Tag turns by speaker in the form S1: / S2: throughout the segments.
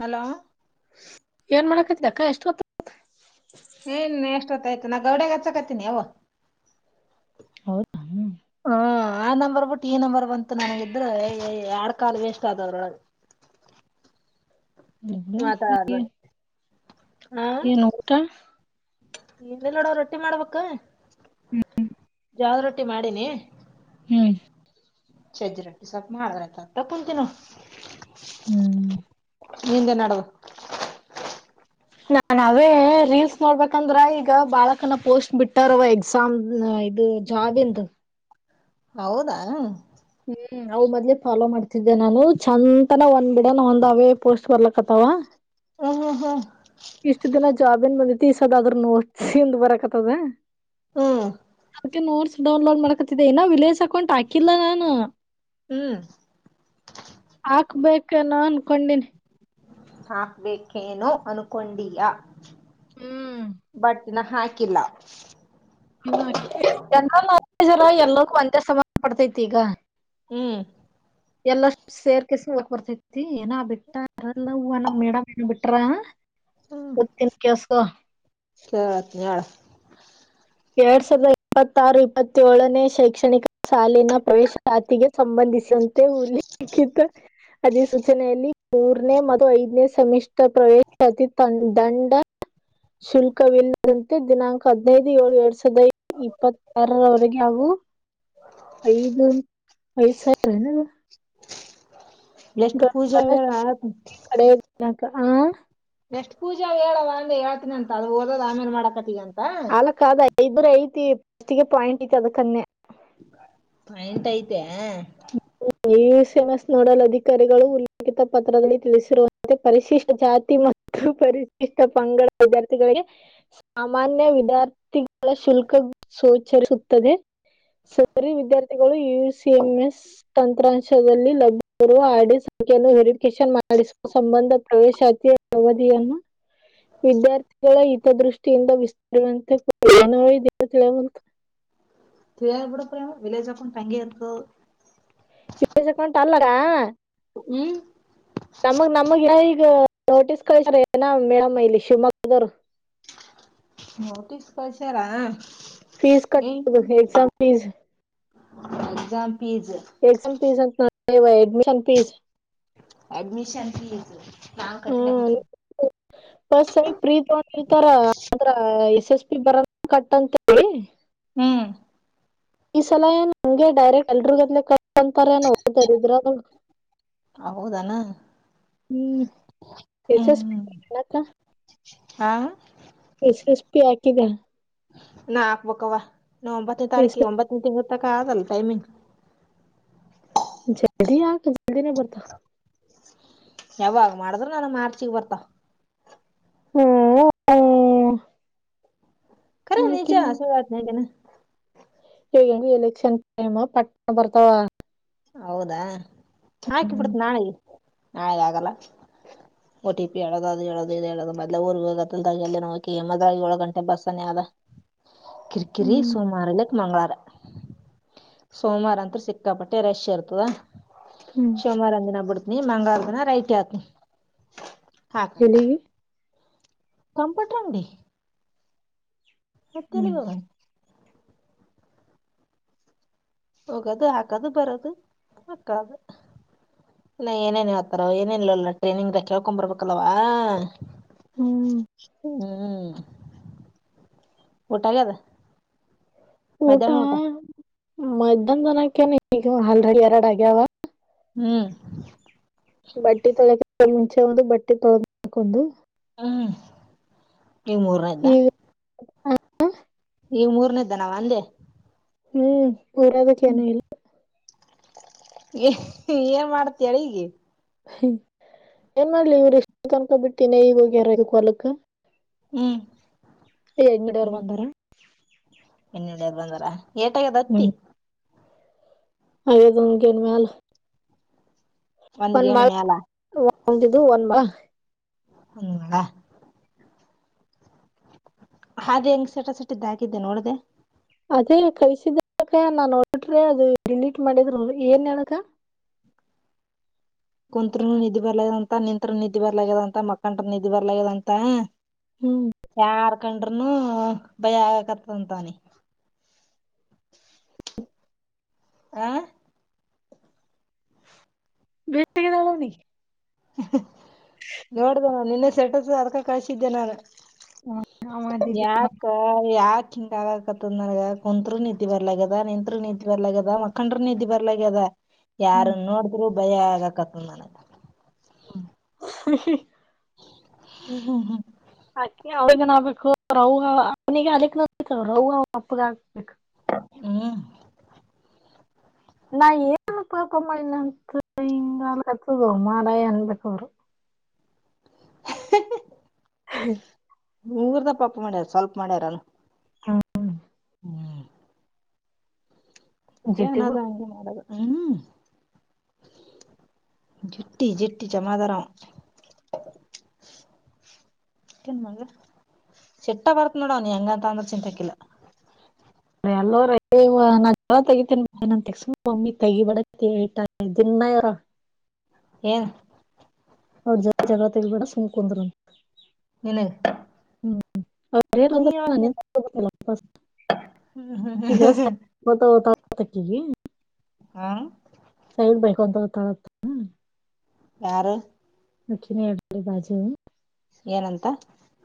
S1: Hello
S2: ಏನ್ ಮಾಡಕತಿ ಎಷ್ಟು.
S1: ಹೇ ಏನ್ ಎಷ್ಟೋತ್ತು ಆಯ್ತ ನಾ ಗೌಡೆಗೆ ಹಚ್ಚಕತ್ತತಿನಿ ಅವು.
S2: ಹೌದ.
S1: ಹ್ಮ ಆ ನಂಬರ್ ಬಿಟ್ಟು ಈ ನಂಬರ್ ಬಂತು ನಾನಾಗಿದ್ರೆ ಎರಡ್ ಕಾಲ್ ವೇಸ್ಟ್ ಆದವ್ರೊಳಗೆ.
S2: [unintelligible]
S1: ಹಾ
S2: ಏನ್ ಊಟ
S1: ಏನಿಲ್ಲ ನೋಡ ರೊಟ್ಟಿ ಮಾಡ್ಬೇಕ. ಜೋಳದ ರೊಟ್ಟಿ ಮಾಡೀನಿ
S2: ಹ್ಮ್
S1: ಚಜ್ಜಿರೊಟ್ಟಿ ಸ್ವಲ್ಪ ಮಾಡ್ರತ ಕುಂತಿನ
S2: ಹ್ಮ್
S1: ನಿಂದೆ ನೆಡದವ.
S2: ನಾವೇ ರೀಲ್ಸ್ ನೋಡ್ಬೇಕಂದ್ರ ಈಗ ಬಾಳಕನ ಪೋಸ್ಟ್ ಬಿಟ್ಟಾರವ. [unintelligible] ಇದು ಜಾಬಿಂದ್.
S1: ಹೌದಾ
S2: ಹ್ಮ್ ನಾವು ಮೊದ್ ಫಾಲೋ ಮಾಡ್ತಿದ್ದೆ ನಾನು ಚೆಂದನ ಒಂದ್ನ ಒಂದ್ ಅವೇ ಪೋಸ್ಟ್ ಬರ್ಲಕ್ಕತ್ತವ.
S1: ಹ ಹ ಹಾ
S2: ಇಷ್ಟು ದಿನ ಜಾಬನ್ ಬಂದೈತಿ. [unintelligible]
S1: ಹ್ಮು.
S2: ಅದಕ್ಕೆ ನೋಟ್ಸ್ ಡೌನ್ಲೋಡ್ ಮಾಡ್ಕೊತಿದ್ದೆ ಇನ್ನಾ ವಿಲೇಜ್ ಅಕೌಂಟ್ ಹಾಕಿಲ್ಲ ನಾನು
S1: ಹ್ಮ್.
S2: ಹಾಕ್ಬೇಕೆನೊ ಅನ್ಕೊಂಡನಿ
S1: ಹಾಕ್ಬೇಕೇನೋ ಅನ್ಕೊಂಡಿಯಾ
S2: ಹ್ಮ್
S1: [inaudible] ಬಟ್ ಇನ್ನಾ ಹಾಕಿಲ್ಲಾ.
S2: ಇನ್ನು ಹಾಕಿಲ್ ಜನರಲ್ ನಾಲೆಜ್ ಎಲ್ಲದಕೂ ಒಂದೆ ಸಂಬಂಧ ಪಡ್ತೈತಿ ಈಗ
S1: ಹ್ಮು.
S2: ಎಲ್ಲ ಸೇರ್ಕಸ್ ಓದಾಕ್ ಬರ್ತೈತಿ ಏನ ಬಿಟ್ಟಾರಲ್ಲವ್ವಾ ನಮ್ಮ್ ಮೇಡಮ್ ಏನ ಬಿಟ್ಟಾರ [unintelligible] ಓತ್ತಿನ್ ಕೆಳಸ್ಕೊ
S1: [unintelligible] ಹೇಳ್
S2: ಎರಡ್ ಸಾವಿರದ ಇಪ್ಪತ್ತಾರು ಇಪ್ಪತ್ತೊಳನೇ ಶೈಕ್ಷಣಿಕ ಸಾಲಿನ ಪ್ರವೇಶಾತಿಗೆ ಸಂಬಂಧಿಸಂತೆ ಉಲ್ಲೆಖಿತ ಅಧಿಸೂಚನೆಯಲ್ಲಿ ಮೂರನೇ ಮತ್ತು ಐದನೇ ಸಮಿಷ್ಟ ಪ್ರವೇಶಾತಿ ತಂ ದಂಡ ಶುಲ್ಕವಿಲ್ಲದಂತೆ ದಿನಾಂಕ ಹದ್ನೈದು ಏಳು ಎರಡ್ ಸಾವಿರದ ಇಪ್ಪತ್ತಾರರವರೆಗೆ ಹಾಗೂ ಐದು ಐದ್ ಸಾವಿರ ಏನ್ ಇದ
S1: ಎಷ್ಟು ಪೂಜೆ ಆಗ್ಯಾಳ [unintelligible]
S2: [unintelligible] ಹಾ.
S1: ಎಷ್ಟ್ ಪೂಜಿ ಹೇಳವ ಅವಿ ಹೇಳ್ತನಿ ಅದು ಓದೊದ್ ಆಮೇಲೆ ಮಾಡಕತ್ತಿಗಂತ
S2: ಅಲ್ ಕಾ ಆದ ಐದ ಬರೆ ಐತಿ ಪಸ್ಟಿಗೆ ಪಾಯಿಂಟ್ ಐತಿ ಅದಕ್ಕ ಅನ್ನೆನ್ಯಾ
S1: ರೈಟ್ ಐತೆ ಆ
S2: U C M S nodal ಅಧಿಕಾರಿಗಳು ಉಲ್ಲೇಖ ಪತ್ರದಲ್ಲಿ ತಿಳಿಸಿರುವ ಪರಿಶಿಷ್ಟ ಜಾತಿ ಮತ್ತು ಪರಿಶಿಷ್ಟ ಪಂಗಡ ವಿದ್ಯಾರ್ಥಿಗಳಿಗೆ ಸಾಮಾನ್ಯ ವಿದ್ಯಾರ್ಥಿಗಳ ಶುಲ್ಕ ಸೋಚಸುತ್ತದೆ. ಸದರಿ ವಿದ್ಯಾರ್ಥಿಗಳು ಯು ಸಿ ಎಂ ಎಸ್ ತಂತ್ರಾಂಶದಲ್ಲಿ ಲಭ್ಯರುವ ಐಡಿ ಸಂಖ್ಯೆಯನ್ನು ವೆರಿಫಿಕೇಶನ್ ಮಾಡಿ ಸಿ ಸಂಬಂಧ ಪ್ರವೇಶಾತಿಯ ಅವಧಿಯನ್ನು ವಿದ್ಯಾರ್ಥಿಗಳ ಹಿತದೃಷ್ಟಿಯಿಂದ [unintelligible] ಏನವಾ ಇದು ಏನು ತಿಳೆವಲ್ದ್
S1: ತಿಳ್ಯಾಲ್ ಬಿಡ್ ಪ್ರೆಮಾ ವಿಲೆಜ್ ಅಕೌಂಟ ಇರ್ತದ ಅದ
S2: ವಿಲೆಜ್ ಅಕೌಂಟ್ ಅಲ್ಲ [unintelligible]
S1: ಹ್ಮ.
S2: ನಮಗ್ ನಮಗ ಈಗ ನೋಟಿಸ್ ಕಳಿಸ್ಯಾರ ಏನ ಮೇಡಮ್ ಇಲ್ಲಿ ಶಿವಮೊಗ್ಗದವರು.
S1: ನೋಟಿಸ್ ಕಳಿಸ್ಯಾರಾ
S2: ಫೀಸ್ ಕಟ್ಟುದು exam fees
S1: exam ಪೀಜ.
S2: Exam fees ಅಂತ್ನಿ ನೊಡೆವ್ವಾ ಎಡ್ಮಿಷನ್ ಫೀಸ್
S1: ಎಡ್ಮಿಷನ್ ಫೀಸ್ ನಾವ್ ಕಟ್ಟಿರ್
S2: ಹ್ಮ್ [unintelligible] ಅಂದ್ರ ಎಸ್ ಎಸ್ ಪಿ ಬರದ ಕಟ್ಟಂತ್ ಏಯ್
S1: ಹ್ಮ್.
S2: ಈ ಸಲ ಏನ್ ಹಂಗೆ ಡೈರೆಕ್ಟ್ ಎಲ್ರಿಗತ್ನೆ ಕಟ್ ಅಂತಾರ್ ಏನ [unintelligible]
S1: ಹೌದನ
S2: ಹ್ಮ್
S1: ಹ್ಮ್
S2: [unintelligible]
S1: ಹಾ.
S2: ಎಸ್ ಎಸ್ ಪಿ ಹಾಕಿದ್ಯಾ
S1: ನಾ ಅಕ್ಬಕವಾ ನಾ ಒಂಬತ್ನೇ
S2: ಎಸ್
S1: ತಾರೀಕಿ ಒಂಬತ್ನೇ ತಿಂಗ್ಳು ತಕ ಆಗಲ್ ಟೈಮಿಂಗ್.
S2: ಜಲ್ದಿ ಅಕ್ ಜಲ್ದಿನೇ ಬರ್ತವ್.
S1: ಯಾವಾಗ್ ಮಾಡಿದ್ರು ನನಾವ್ ಮಾರ್ಚಿಗ್ ಬರ್ತವ್.
S2: ಹೊ ಹೊ.
S1: ಕರೆ ನಿಜ್ಜ. [unintelligible]
S2: ಇಗೆಂಗು ಎಲೆಕ್ಷನ್ ಟೈಮ ಪಟ್ ಬರ್ತಾವ.
S1: ಹೌದಾ
S2: ಹ್ಮ್
S1: ಹಾಕಿಬಿಡ್ತ್ನ್ ನಾಳಿಗೆ ನಾಳೆ ಆಗಲ್ಲ.
S2: [inaudible]
S1: ಓಟಿಪಿ ಹೇಳದು ಅದು ಹೇಳದು ಇದು ಹೇಳದು ಮೊದ್ಲೇ ಊರಿಗೂಗ್ ಅತುಲ್ದಾಗ್ ಎಲ್ಲನ ಹೋಗಿ [unintelligible] ಯೋಳ್ ಗಂಟೆ ಬಸ್ಸನ ಯಾದ.
S2: [inaudible]
S1: ಕಿರ್ಕಿರಿ
S2: ಹ್ಮ್
S1: ಸೋಮಾರಿಲ್ಲಕ್ ಮಂಗಳವಾರ ಸೋಮರಂತ್ರು ಸಿಕ್ಕಾಪ ರಶ್ ಇರ್ತದಾ.
S2: ಹ್ಮ್.
S1: ಸೋಮರೊಂದಿನ ಬಿಡ್ತನಿ ಮಂಗ್ಳುವರ್ ದಿನ ರೈಟ್ ಹೆಳ್ತ್ನಿ.
S2: ಹೆಲ್ಲಿಗಿ.
S1: ಕಂಪುಟ್ರಂಗ್ಡಿ.
S2: ಹ್ಮ್
S1: ಹೋತೆಲಿವಾಗ. ಹೋಗದು ಹಾಕದು ಬರದು ಮಕ್ಕಳದು. ಇನಾ ಏನೇನ್ ಹೇತರ ಏನೇನ್ ಇಲ್ಲಲ್ಲ ಟ್ರೈನಿಂಗ ಕೇಳ್ಕೊಂಬರ್ಬಕಲವ್ವ.
S2: ಹ್ಮ್
S1: ಹ್ಮ್ ಊಟಾಗೆದ.
S2: ಊಟ ಮಧ್ಯಾನ್ದಾನಕೆನ್ ಈಗ ಆಲ್ರೆಡಿ ಎರಡ್ ಆಗ್ಯಾವ.
S1: ಹ್ಮ್.
S2: ಬಟ್ಟೆ ತೊಳ್ಯಾಕೂ ಮುಂಚ್ ಒಂದು ಬಟ್ಟೆ ತೊಳ್ದ್ಮೆಕೊಂದು.
S1: ಹ್ಮ್ ಇಗ್ ಮೂರ್ನದ್ದ.
S2: ಈಗ
S1: ಇಗ್ ಮೂರ್ನೇದ್ದನಾವ ಅಂದೇ.
S2: ಹ್ಮ್ ಕುರೆದಕೇನು ಇಲ್ಲ.
S1: ಏನ್ ಮಾಡ್ತಿ ಅಡಿಗಿ.
S2: ಏನ್ ಮಾಡ್ಲಿ ಇವರ್ ಇಷ್ಟ ತನ್ಕ ಬಿಟ್ ಇನ್ನ ಇಗ್ ಹೋಗ್ಯಾರ ಒರುಕ್ ಹೊಲ್ಕ.
S1: ಹ್ಮ್
S2: ಎಂಗ್ಯಿಡಿಯಾರ್ ಬಂದಾರ.
S1: ಎಣ್ಣಿ ಹೊಡಿಯರ್ ಬಂದಾರ ಹೆಟಾಗೆದ್ ಹತ್ತಿ.
S2: [unintelligible] ದುನ್ಗೆನ್ ಮ್ಯಾಲ. ಒಂದ್
S1: ಗೇಣ್
S2: ಮಾಳ್
S1: ಮ್ಯಾಲ
S2: ಒಂದ್ ಇದು ಒಂದ್ ಮಳ.
S1: ಒಂದ್ ಮಾಳ. ಹಾದೆಂಗ್ ಸಟ ಸೆಟ್ಟಿದಾಗಿದ್ದೆ ನೋಡ್ದ.
S2: ಅದೇ ಕಾಳ್ಸಿದ್ದಲ್ಲಕ ನಾನ್ ನೋಡ್ರ ಅದು ಡಿಲೀಲಿಟ್ ಮಾಡಿದ್ರವ್ರು ಏನ್ ಹೇಳಕ್ಕ.
S1: ಕುಂತ್ರುನು ನಿದ್ ಬರ್ಲದಂತ ನಿಂತತ್ರು ನಿದ್ ಬಾರ್ಲಗೇದಂತ ಮಕ್ಕಂಡ್ರು ನಿದ್ ಬರ್ಲಗೆದಂತ.
S2: ಹ್ಮ್.
S1: ಯಾರ್ಕಂಡ್ರುನು ಭಯ ಆಗಕತದಂತ್ ಅವ್ನಿಗ್. ಹಾ.
S2: ಬಿಟ್ಟಿಗಿದಳವ್ನಿಗೆ.
S1: ನೋಡ್ದೆ ನ ನಿನ್ನೆ ಸ್ಟೇಟಸು ಅದ್ಕ ಕಳ್ ಸಿದ್ದೆ ನಾನು.
S2: [inaudible]
S1: ಯಾಕೊ ಯಾಕ್ ಹಿಂಗ್ ಆಗಕತ್ತದ್ ನನ್ಗ ಕುಂತ್ರು ನಿದ್ ಬರ್ಲಗೆದ ನಿಂತ್ರು ನಿದ್ ಬರ್ಲಾಗೆದ. ಕಂಡ್ರು ನಿದ್ ಬರ್ಲಾಗೆದ
S2: ಹ್ಮ್
S1: ಯಾರುನ್ ನೋಡಿದ್ರು ಭಯ ಆಗಕತ್ ನನಗ.
S2: ಹ್ಮ.
S1: ಹ್ಮ ಹ್ಮ ಹ್ಮ್
S2: ಅ ಅವಿಗಬೇಕು ರ ಅವನಿಗೆ ಅದಕ್ ಅವರ್ ಅವ್ವ ಅಪ್ಪಗ ಹಾಕ್ಬೇಕು
S1: ಹ್ಮ್
S2: ನಾ ಏನ್ಕಮ್ಮ ನಂತ ಹಿಂಗತ್ ಗ ಮಾರ ಅನ್ಬೇಕು ಅವರು
S1: ಹ
S2: ಹ್ಮ
S1: ಮೂರ್ದ ಪಪ್ಪ ಮಾಡ್ಯಾರ ಸ್ವಲ್ಪ ಮಾಡ್ಯಾರಲ್ಲ
S2: ಹಾ
S1: ಹಗೆ
S2: ಜಿಟ್ಟಿಗೂ
S1: ನಾದ ಹಂಗೆ ಮಾಡದು ಹ್ಮ್ ಹ್ಮ್ ಜೆಟ್ಟಿ ಜೆಟ್ಟಿ ಜಮ ಆದರ ನ್ ಮಗ ಚಟ್ಟೆ ಬರ್ತ್ ನೋಡೂ ಅವ್ನ್ ಹೆಂಗಂತ ಅಂದ್ರೂ ಚಿಂತೆಕಿಲ್ಲ.
S2: ಎಲ್ಲೋ ನಾ ಜಲ ತೆಗಿತೀನಿ ಬ ನನ್ ತೆಸ ಮಮ್ಮಿ ತೆಿ ಬಡ ದಿನ
S1: ಏನ್
S2: ಅವರು ಜತಿ ಜಗಳ ತಗಿಬೇಡ ಸುಮ್ ಕುಂದ್ರೂ.
S1: ಎಲ್ಲಿ
S2: ಹ್ಮ್ [unintelligible]
S1: ಹ್ಮ್ ಹ್ಮ್ ಹ್ಮ್ಮ
S2: ಮತ್ತ ಹೊತ ಆಕ್ಕಿಗಿ
S1: ಹಾ
S2: ಸೈಗ್ಬೇಕು ಅಂತ ತಗೋಳಪ
S1: ಯಾರ
S2: ಮಚಿನ ಎಡ್ ಬಾಜು
S1: ಏನಂತ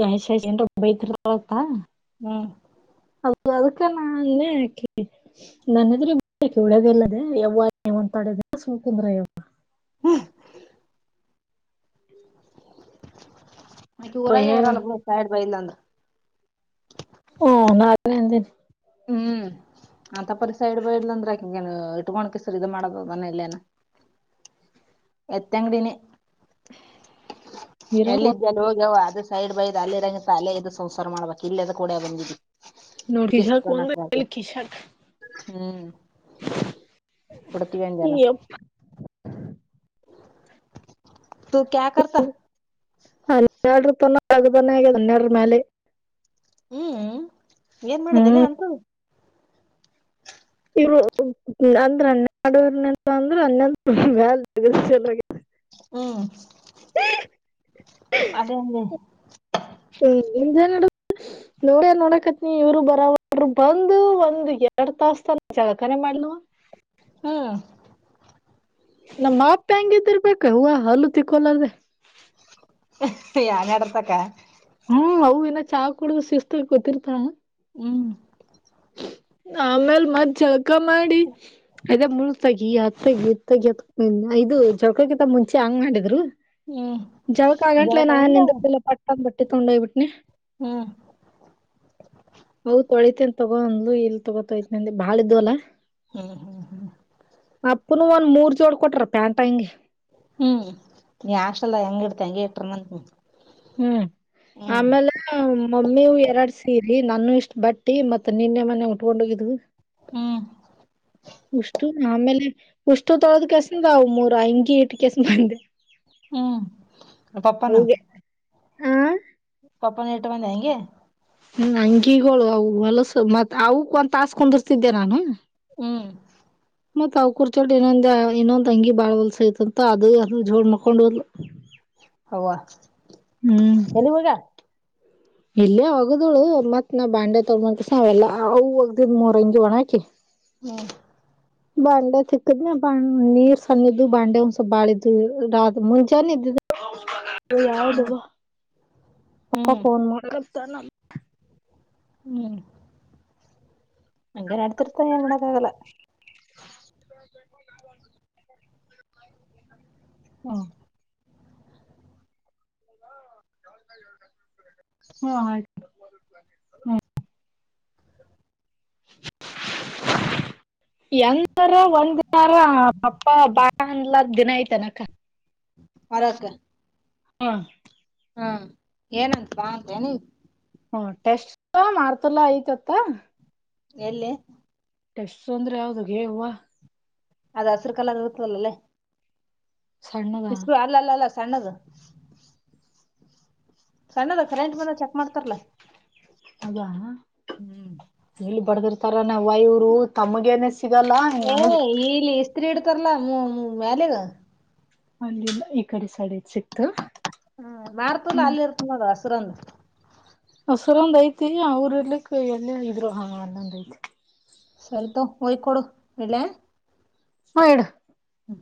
S2: ಯಾ ಜನ್ ಬೈತ್ತರ್
S1: ಹ್ಮ್
S2: ಹೌದು ಅದಕ್ಕೆ ನಾ ಅಲ್ಲೇ ಹಾಕಿ ನನ್ ಎದ್ರ್ ಇಲ್ಲದೆ ಯಾವಡ ಸುಮ್ ಕುಂದ್ರ ಯಾಕ್
S1: ಹ್ಮ್ ಮತ್ತೆ
S2: ಭಯ
S1: ಊರಾಗೇ ಇರಲ್ಲ ಬೂಡು ಕಾರ್ಡ್ ಬರಲಿಲ್ಲ ಅಂದ್ರೆ
S2: ಹ್ಮ ನನೆ
S1: ಹ್ಮ್ ಅಂತಪರಿ ಸೈಡ್ ಬೈಡ್ಲ ಅಂದ್ರೆ ಆಕೆ ಹೆಂಗೆ ಇಟ್ಕೊಂಡ್ ಕಿಸರ್ ಇ ಮಾಡೋದು ನನ ಇಲ್ಲೇನ. ಎತ್ತ ಅಂಗಡಿನಿ
S2: ಇರಾಕ್
S1: ಎಲ್ಲಿದ್ದಲ್ಲೋ
S2: ಒಂದ್
S1: ಹೋಗ್ಯವು ಅಷ್ಟ್ ಸೈಡ್ ಬೈದು ಅಲ್ಲಿ ಇರಂಗ ಅದು ಸಂಸಾರ ಮಾಡ್ಬೇಕು ಇಲ್ಲೇದು ಕಡ ಬಂದಿದ್ದು.
S2: ನೋಟೀಶ್ ಶಾಕ್ ಬಂದ್ರ ಆಕಿಗ್ ಶಾಕ್
S1: ಹ್ಮ್ ಕೊಡತ್ತೀವಿ ಅಂದಲ್ಲ
S2: ಯಪ್ಪ
S1: ತು ಕ್ಯಾ ಕರತ
S2: ಹನ್ನೆರಡ ತನ ಅದು ಬನ್ನ ಆಗ ಹನ್ನೆರಡರ ಮ್ಯಾಲೆ
S1: ಹ್ಮ್ ಏನ್ ಮಾಡಿದೆಲ್ಲ
S2: ಹ್ಮ್
S1: ಅಂತೂ
S2: ಇರು ಅಂದ್ರೆ ಅನ್ನಡವ್ರಂತ ಅಂದ್ರ ಅನ್ನ್ಯಾಲ್ [unintelligible] ಹ
S1: ಹ್ಮ್ ಅದೇಲ್ಲೇ
S2: ಹ್ಮ್ ತಡ ನೋಡ್ಯ ನೋಡಕತ್ನ ಇವರು ಬರವರು ಬಂದು ಒಂದ್ ಎರಡ್ ತಾಸು ತಾನ ಜಳಕ ಮಾಡ್ಲುವ
S1: ಹ್ಮ್
S2: ನಮ್ಮ ಮತ್ತ್ ಹೆಂಗ ಇದು ಇರ್ಬೇಕ ಅವ್ವ ಹಲ್ಲೂ ತಿಕ್ಕೋಲಾರ್ದದೆ
S1: ಯಾ ನಡ್ತಕ್ಕ.
S2: ಹ್ಮ ಅವು ಇನ ಚಾ ಕೂಡ ಶಿಸ್ತ ಕುತ್ತಿರ್ಥ.
S1: ಹ್ಮ.
S2: ಆಮೇಲ ಮತ್ತ ಜಳಕ ಮಾಡಿ ಅದ ಮುಳತಗಿ ಅತ್ತಗಿ ಇತ್ತಗಿ ಅ ಇದ ಜೊಕಕ್ಕಿತ ಮುಂಚೆ ಹಂಗ ಮಾಡಿದ್ರು.
S1: ಹ್ಮ.
S2: ಜಳಕ ಆಗಂತ್ಲೆ ನಾನ್ ನಿಲ್ಲ ಪಟ್ಟಂದ ಬಟ್ಟಿ ತೊಂಡಯ್ಬಟ್ಟನಿ.
S1: ಹ್ಮ.
S2: ಹೌ ತಳಿತ. ತಗೊಂದ್ಲು ಇಲ್ಲ ತಗೋತೈತಿ ನಿ ಬಾಳ ಇದ್ದು ಅಲ.
S1: ಹ್ಮ
S2: ಅಪ್ಪನು ಒಂದ್ ಮೂರ್ ಜೋಡ ಕೊಟ್ರ ಪ್ಯಾಂಟ್ ಅಂಗಿ
S1: ಹ್ಮ ನೀ ಆಷ್ಟಲ್ಲಾ ಹೆಂಗ ಇಡ್ತ ಹಂಗೆ ಇಟ್ರ ನಂತ
S2: ಹ್ಮ ಆಮೇಲ ಅ ಮಮ್ಮಿವು ಎರಡ್ ಸೀರಿ ನಾನು ಇಷ್ಟ್ ಬಟ್ಟಿ ಮತ್ತ ನಿನ್ನೆ ಮನ್ನೇ ಉಟ್ಕೊಂಡು ಹೋಗಿದ್ವು.
S1: ಹ್ಮ.
S2: ಉಷ್ಟು ಆಮೇಲೆ ಉಷ್ಟು ತೊಗ ಕೇಸಿಂದ ಅವ ಮೂರ ಅಂಗಿ ಇಟ್ಟ ಕೆಸ ಬಂದೆ.
S1: ಹ್ಮ್ ಪಪ್ಪನ
S2: ಅವ್ಗೆ ಆ
S1: ಪಪನ ಇಟ್ಟ ಬಂದ ಹಂಗೆ
S2: ಅಂಗಿಗೋಳು ಅವು ಹೊಲಸ ಮತ್ತ ಅವಕ ಒಂದ್ ತಾಸ ಕುಂದರ್ತಿದ್ದೆ ನಾನ.
S1: ಹ್ಮ.
S2: ಮತ್ತ ಅವ್ಕರ ಜೋಡ ಇನೊಂದ ಇನೊಂದ ಅಂಗಿ ಬಾಳ ಹೊಲ್ಸ ಐತಂತ ಅದು ಜೋಡ ಮಕ್ಕೊಂಡ ಹೋದ್ಲ.
S1: ಅವ
S2: ಹ್ಮ್
S1: ಎಲ್ಲಿ ಹೋಗ್ಯಾಳ.
S2: ಇಲ್ಲೇ ಒಗ್ದಳು ಮತ್ತ ನಾ ಬಾಂಡ್ಯ ತೊಗಕಸ ಅವೆಲ್ಲಾ ಅವ ಒಗ್ದಿದ ಮೂರಂಗಿ ಒಣಾಕಿ.
S1: ಹ್ಮ.
S2: ಬಾಂಡೆ ತಿಕ್ಕದ್ನ ಬ ನೀರ ಸಣ್ಣದ್ದು ಬಾಂಡೆ ಒಂದ ಸಪ ಬಾಳಿದು ರ ಮುಂಜಾನೆ ಇದ
S1: ಹ್ಮ್
S2: ಯಾವದವ ಪಪ್ಪಾ
S1: ಹ್ಮ್
S2: ಫೋನ್ ಮಾಡಕತ್ತಾನ.
S1: ಹ್ಮ. ಹಂಗೆ ನಡ್ತಿರ್ತಾನ ಎ ಮಾಡಕ್ಕಾಗಲ್ಲ.
S2: [inaudible] ಹಾ ಹ್ಮ ಆ [inaudible] ಎಂದರ ಒಂದ ದಿನಾರ ಅಪ್ಪ ಬಾ ಅಂದ್ಲಕ ದಿನ ಐತನಕ್ಕ. [inaudible]
S1: ಪರಕ್ಕ
S2: ಹಾ
S1: ಹ್ಮ ಏನಂತ ಬಾ ಅಂದೆನ ಈ
S2: ಹ್ಮ ಟೆಸ್ಟ್ ಮಾರ್ತುಲ್ಲಾ ಐತತ್ತ.
S1: ಎಲ್ಲಿ
S2: ಟೆಸ್ಸು ಅಂದ್ರೆ ಯಾವ್ದ ಗೆ ಯವ್ವ.
S1: ಅದ ಹಸರ ಕಲರ್ ಇರುತ್ತದಲ್ಲೇ.
S2: ಸಣ್ಣದ
S1: ಬಿಸು ಅಲ್ಲ ಅಲ್ಲ ಅಲ್ಲ ಸಣ್ಣದ. ಸಣ್ಣದ ಕರೆಂಟ್ ಬಂದ ಚೆಕ್ ಮಾಡ್ತಾರಲ್ಲಾ.
S2: ಅದಾ
S1: ಹ್ಮ್
S2: ಎಲ್ಲಿ ಬಡದಿರ್ತಾರ ನ ಇವರು ತಮಗೇನೆ ಸಿಗಲ್ಲಾ [unintelligible]
S1: ಇಲಿ ಇಷ್ಟ [unintelligible] ಇ ಇಡ್ತರಲ ಮ್ಯಾಲೆ ಗ
S2: ಅಲ್ಲಿ ಇಲ್ ಈ ಕಡೆ ಸೈಡ್ ಐತ್ ಸಿಕ್ತ [unintelligible]
S1: ಹ್ಮ ಮಾರ್ತಲ್ಲ ಅಲ್ಲಿ ಇರ್ತನೋಡ ಅದ ಹಸರಂದ
S2: ಹಸರಂದ್ ಐತಿ ಅವ್ರಲ್ಲಿಕ್ಕ ಎಲ್ಲೇ ಇದ್ರು ಹ ಇಲ್ಲೊಂದ್ ಐತಿ
S1: ಇಡ್ಲ್ಯಾ [unintelligible]
S2: ಹ ಇಡ
S1: ಹ್ಮ್.